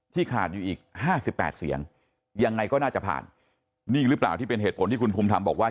ขาดอยู่อีก๕๘เสียงยังไงก็น่าจะผ่านนี่หรือเปล่าที่เป็นเหตุผลที่คุณภูมิธรรมบอกว่า